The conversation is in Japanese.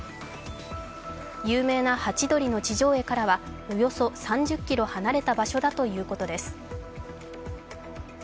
有名なハチドリの地上絵からおよそ３０ｋｍ離れた場所だということです。